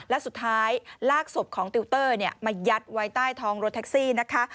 และสุดท้ายลากศพของติวเตอร์มายัดไว้ใต้ท้องรถแท็กซี่นะคะ